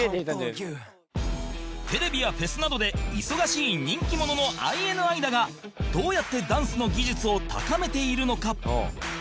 テレビやフェスなどで忙しい人気者の ＩＮＩ だがどうやってダンスの技術を高めているのか？